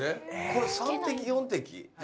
これ３滴４滴？